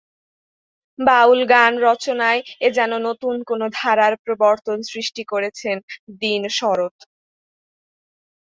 বাউল গান রচনায় এ যেন নতুন কোন ধারার প্রবর্তন সৃষ্টি করেছেন দীন শরৎ।